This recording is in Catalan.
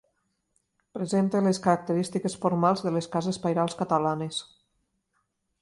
Presenta les característiques formals de les cases pairals catalanes.